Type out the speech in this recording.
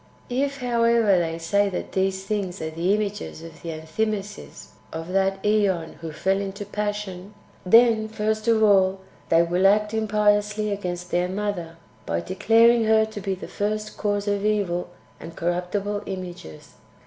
4. If, however, they say that these things are the images of the Enthymesis of that ZEon who fell into passion, then, first of all, they will act impiously against their Mother, by declaring her to be the first cause of evil and corruptible images.